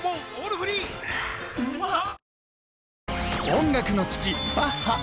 音楽の父バッハ